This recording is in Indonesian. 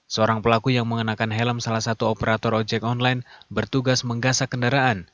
seorang pelaku yang mengenakan helm salah satu operator ojek online bertugas menggasak kendaraan